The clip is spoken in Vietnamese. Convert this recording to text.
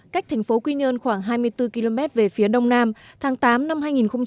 cách thành phố quy nhơn khoảng hai mươi bốn km về phía đông nam tháng tám năm hai nghìn hai mươi